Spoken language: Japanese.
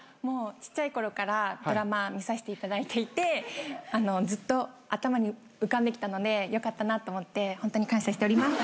ちっちゃいころからドラマ見させていただいていてずっと頭に浮かんできたのでよかったなと思ってホントに感謝しております。